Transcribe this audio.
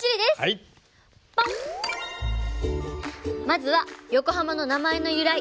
まずは横浜の名前の由来。